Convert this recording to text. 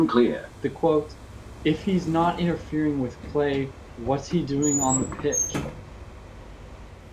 The quote, If he's not interfering with play, what's he doing on the pitch?